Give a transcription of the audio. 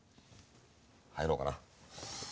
入ろうかな。